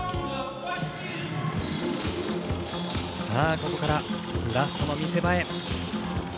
さあここからラストの見せ場へ。